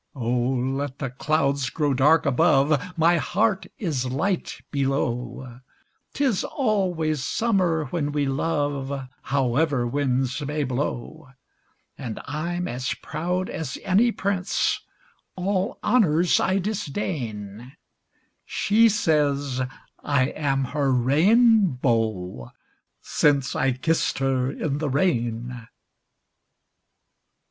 Oh, let the clouds grow dark above, My heart is light below; 'Tis always summer when we love, However winds may blow; And I'm as proud as any prince, All honors I disdain: She says I am her rain beau since I kissed her in the rain.